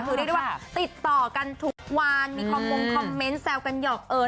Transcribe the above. คือเรียกได้ว่าติดต่อกันทุกวันมีคอมมงคอมเมนต์แซวกันหยอกเอิญ